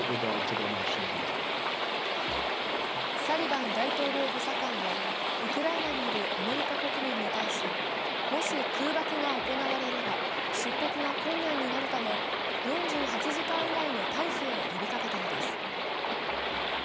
サリバン大統領補佐官は、ウクライナにいるアメリカ国民に対し、もし空爆が行われれば、出国が困難になるため４８時間以内の退避を呼びかけたのです。